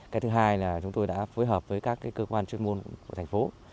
cái thứ hai là chúng tôi đã phối hợp với các cơ quan chuyên môn của thành phố